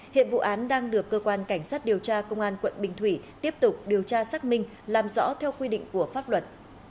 hiện vụ án đang được cơ quan cảnh sát điều tra công an quận bình thủy tiếp tục điều tra xác minh làm rõ theo quy định của pháp luật